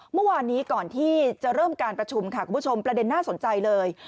เมื่อวานนี้ก่อนที่จะเริ่มการประชุมค่ะคุณผู้ชมประเด็นน่าสนใจเลย